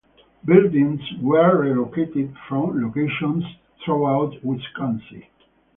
Buildings were relocated from locations throughout Wisconsin.